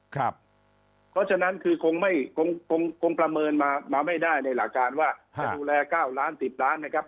เพราะฉะนั้นคือคงประเมินมาไม่ได้ในหลักการว่าจะดูแล๙ล้าน๑๐ล้านนะครับ